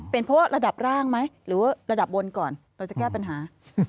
เป็นเพราะว่าระดับร่างไหมหรือว่าระดับบนก่อนเราจะแก้ปัญหา